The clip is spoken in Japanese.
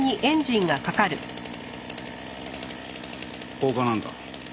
放火なんか？